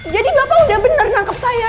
jadi bapak udah benar nangkep saya